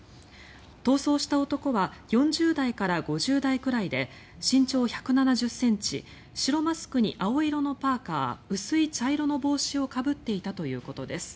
逃走した男は４０代から５０代くらいで身長１７０ｃｍ白マスクに青色のパーカ薄い茶色の帽子をかぶっていたということです。